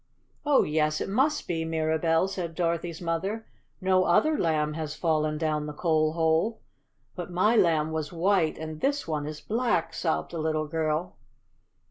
"Oh, yes, it must be, Mirabell," said Dorothy's mother. "No other Lamb has fallen down the coal hole." "But my Lamb was WHITE, and this one is BLACK," sobbed the little girl.